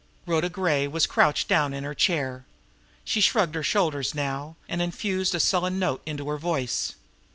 Rhoda Gray was crouched down in her chair. She shrugged her shoulders now, and infused a sullen note into her voice.